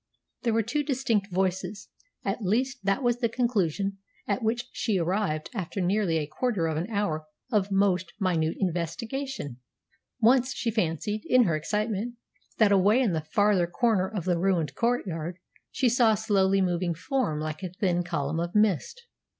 There were two distinct voices; at least that was the conclusion at which she arrived after nearly a quarter of an hour of most minute investigation. Once she fancied, in her excitement, that away in the farther corner of the ruined courtyard she saw a slowly moving form like a thin column of mist.